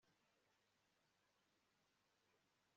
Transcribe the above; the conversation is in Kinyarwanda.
guma aho uri gusa nzakuzanira impapuro ukeneye gusinya